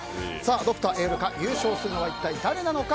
ドクターエウレカ優勝するのは一体誰なのか？